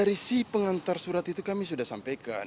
dari si pengantar surat itu kami sudah sampaikan